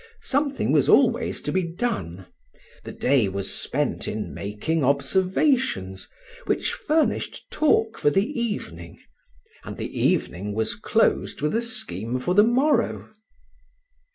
Something was always to be done; the day was spent in making observations, which furnished talk for the evening, and the evening was closed with a scheme for the morrow.